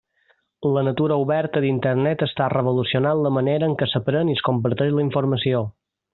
La natura oberta d'Internet està revolucionant la manera en què s'aprèn i es comparteix la informació.